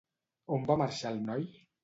On va marxar el noi?